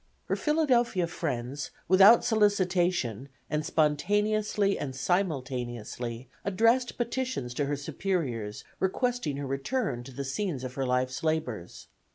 Her Philadelphia friends, without solicitation and spontaneously and simultaneously, addressed petitions to her superiors requesting her return to the scenes of her life's labors.